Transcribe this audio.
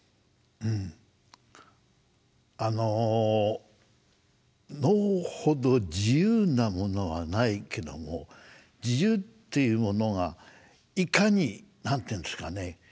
うんあの能ほど自由なものはないけども自由っていうものがいかに何て言うんですかね